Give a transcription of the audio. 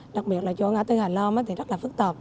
đặc biệt là chỗ ngã tư hà lam thì rất là phức tạp